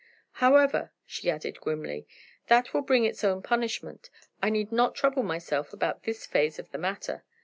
"However," she added grimly, "that will bring its own punishment. I need not trouble myself about this phase of the matter.